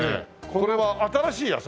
これは新しい野菜？